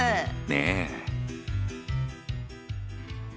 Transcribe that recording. ねえ。